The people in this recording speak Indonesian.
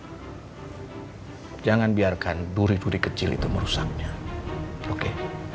hai jangan biarkan duri duri kecil itu merusaknya oke